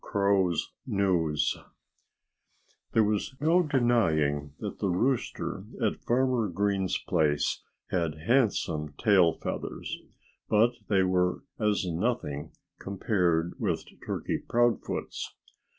CROW'S NEWS There was no denying that the rooster at Farmer Green's place had handsome tail feathers. But they were as nothing, compared with Turkey Proudfoot's.